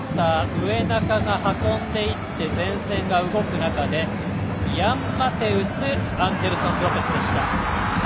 植中が運んでいって前線が動く中でヤン・マテウスアンデルソン・ロペスでした。